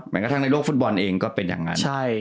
กระทั่งในโลกฟุตบอลเองก็เป็นอย่างนั้น